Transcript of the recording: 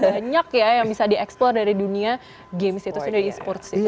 banyak ya yang bisa di eksplor dari dunia game di situ sendiri e sport di situ sendiri